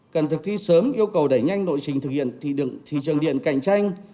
cần thực thi sớm yêu cầu đẩy nhanh lội trình thực hiện thị trường điện cạnh tranh